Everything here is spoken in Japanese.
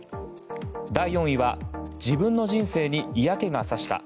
第４位は自分の人生に嫌気がさした。